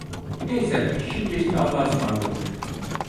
Neyse, şimdilik allahaısmarladık.